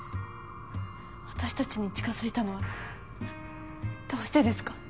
私たちに近づいたのはどうしてですか？